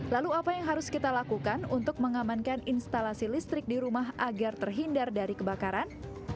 lalu apa yang harus kita lakukan untuk mengamankan instalasi listrik di rumah agar terhindar dari kebakaran